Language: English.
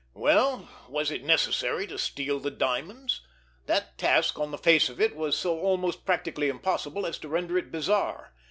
Well, was it necessary to steal the diamonds? That task, on the face of it, was so almost practically impossible as to render it bizarre.